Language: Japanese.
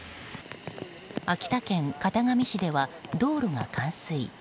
秋田県潟上市では道路が冠水。